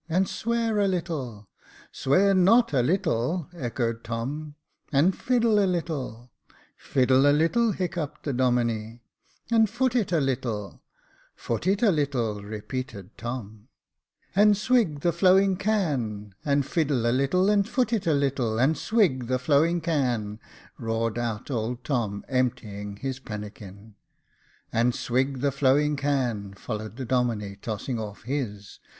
" And swear a little —"" Swear not a little," echoed Tom. " And fiddle a little—"' " Fiddle a little," hiccuped the Domine. « And foot it a little —"" Foot it a little," repeated Tom. ii6 Jacob Faithful " And swig the flowing can, And fiddle a little, And foot it a little, And swig the flowing can —" roared old Tom, emptying his pannikin. " And swig the flowing can —" followed the Domine, tossing ofFhis.